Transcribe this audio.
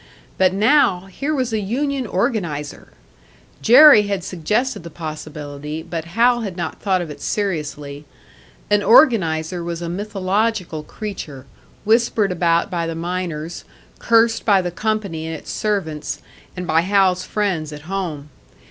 But now, here was a union organiser! Jerry had suggested the possibility, but Hal had not thought of it seriously; an organiser was a mythological creature, whispered about by the miners, cursed by the company and its servants, and by Hal's friends at home.